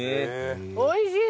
おいしい。